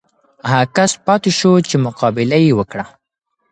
هغه کس پاتې شو چې مقابله یې وکړه.